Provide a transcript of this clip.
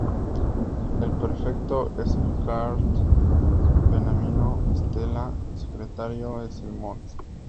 El prefecto es el Card Beniamino Stella, el secretario es el Mons.